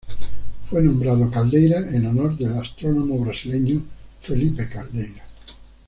Fue nombrado Caldeira en honor al astrónomo brasileño Felipe Caldeira.